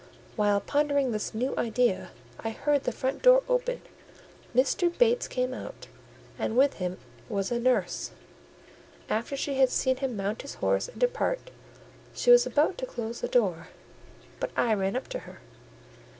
While pondering this new idea, I heard the front door open; Mr. Bates came out, and with him was a nurse. After she had seen him mount his horse and depart, she was about to close the door, but I ran up to her.